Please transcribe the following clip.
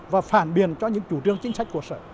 và phản biện cho những chủ trương chính sách của sở